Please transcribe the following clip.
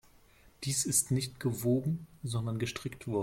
Dies ist nicht gewoben, sondern gestrickt worden.